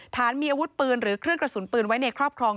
ฐานมีอาวุธปืนหรือเครื่องกระสุนปืนไว้ในครอบครอง